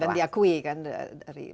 dan diakui kan dari